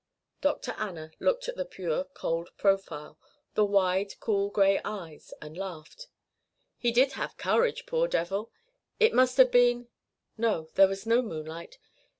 Dr. Anna looked at the pure cold profile, the wide cool grey eyes, and laughed. "He did have courage, poor devil! It must have been no, there was no moonlight.